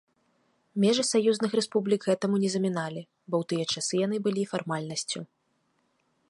Межы саюзных рэспублік гэтаму не заміналі, бо ў тыя часы яны былі фармальнасцю.